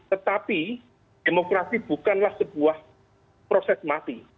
tetapi demokrasi bukanlah sebuah proses mati